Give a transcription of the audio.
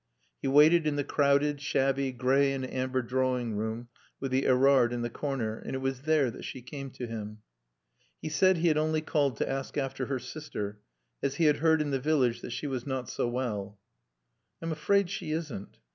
He waited in the crowded shabby gray and amber drawing room with the Erard in the corner, and it was there that she came to him. He said he had only called to ask after her sister, as he had heard in the village that she was not so well. "I'm afraid she isn't."